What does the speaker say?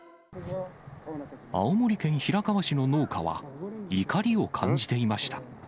青森県平川市の農家は、怒りを感じていました。